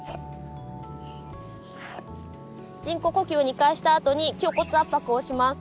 人工呼吸を２回したあとに胸骨圧迫をします。